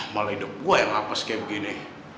malah hidup gue yang nafas kayak begini